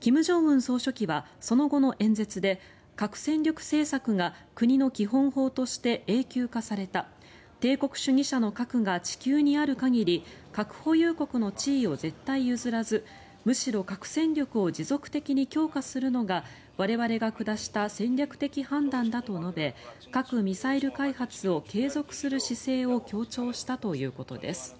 金正恩総書記はその後の演説で核戦力政策が国の基本法として永久化された帝国主義者の核が地球にある限り核保有国の地位を絶対譲らずむしろ核戦力を持続的に強化するのが我々が下した戦略的判断だと述べ核・ミサイル開発を継続する姿勢を強調したということです。